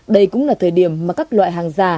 đây cũng là thời điểm mà các loại hàng giả